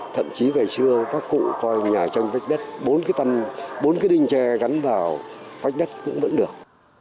thậm chí ngày xưa các cụ coi nhà tranh vách đất bốn cái bốn cái đinh tre gắn vào vách đất cũng vẫn được